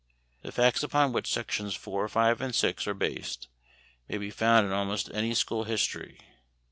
The facts upon which Sections 4, 5, and 6 are based may be found in almost any school history.